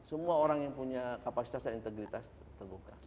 semua orang yang punya kapasitas dan integritas terbuka